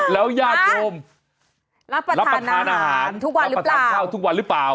แล้วย่างโดมรับประทานอาหารรับประทานข้าวทุกวันหรือเปล่า